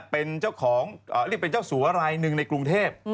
เป็นเจ้าของเรียกเป็นเจ้าสัวรายหนึ่งในกรุงเทพ